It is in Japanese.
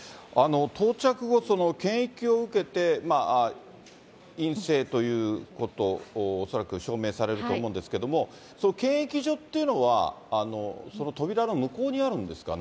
到着後、検疫を受けて陰性ということ、恐らく証明されると思うんですけども、その検疫所っていうのは、扉の向こうにあるんですかね。